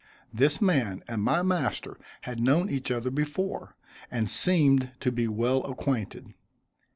This man and my master had known each other before, and seemed to be well acquainted.